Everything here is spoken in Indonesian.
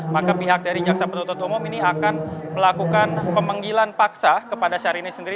maka pihak dari jaksa penuntut umum ini akan melakukan pemanggilan paksa kepada syahrini sendiri